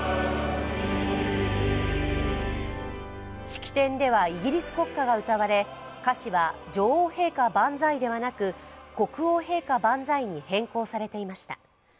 式典ではイギリス国歌が歌われ歌詞は「女王陛下万歳」ではなく「国王陛下万歳」に変更されていました。